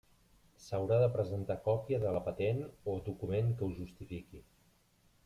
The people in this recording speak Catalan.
S'haurà de presentar còpia de la patent, o document que ho justifique.